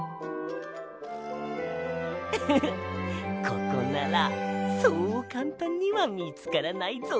ウフフッここならそうかんたんにはみつからないぞ。